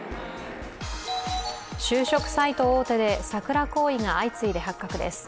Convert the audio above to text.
就職サイト大手でサクラ行為が相次いで発覚です。